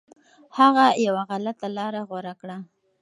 هغه یو غلطه لاره غوره کړه.